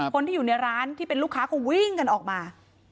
คนที่อยู่ในร้านที่เป็นลูกค้าก็วิ่งกันออกมา